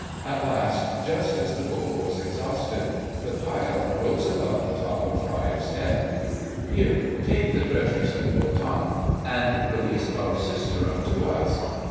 At last, just as the Gold was exhausted, the pile rose above the top of Freia's head. "Here, take the treasure," said Wotan, "and release our sister unto us."